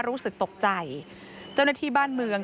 รู้สึกตกใจเจ้าหน้าที่บ้านเมือง